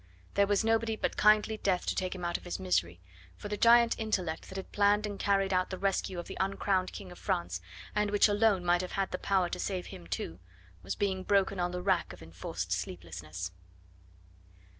There was nobody but kindly Death to take him out of his misery, for the giant intellect that had planned and carried out the rescue of the uncrowned King of France, and which alone might have had the power to save him too, was being broken on the rack of enforced sleeplessness.